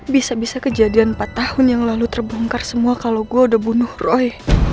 bisa bisa kejadian empat tahun yang lalu terbongkar semua kalau gue udah bunuh roy